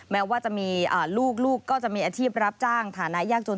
แม้ว่าจะมีลูกลูกก็จะมีอาชีพรับจ้างฐานะยากจน